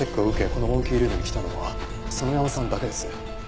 このモンキールームに来たのは園山さんだけです。